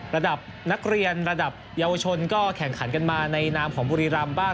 ระดับนักเรียนระดับเยาวชนก็แข่งขันกันมาในนามของบุรีรำบ้าง